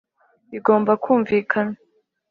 bigomba kumvikana